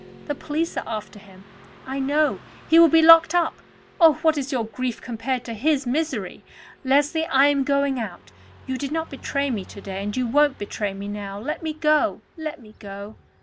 The police are after him, I know; he will be locked up. Oh! what is your grief compared to his misery? Leslie, I am going out; you did not betray me to day, and you won't betray me now. Let me go, let me go."